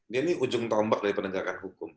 dia ini ujung tombak dari penegakan hukum